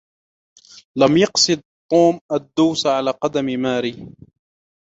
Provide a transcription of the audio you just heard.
لم يقصد توم الدوس على قدم ماري.